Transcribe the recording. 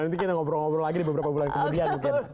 nanti kita ngobrol ngobrol lagi di beberapa bulan kemudian mungkin